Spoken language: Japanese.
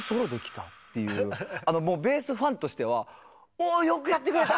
もうベースファンとしてはおよくやってくれた！